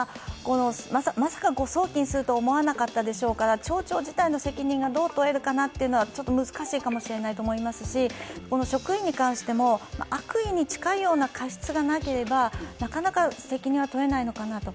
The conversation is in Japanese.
まさか、誤送金するとは思わなかったでしょうから町長自身の責任がどう問えるかは、難しいかもしれませんし、職員に関しても悪意に近いような過失がなければ、なかなか責任は問えないのかなと。